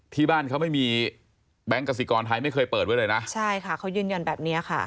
ที่บ้านเขาไม่มีแบงค์กสิกรไทยไม่เคยเปิดไว้เลยนะใช่ค่ะเขายืนยันแบบเนี้ยค่ะ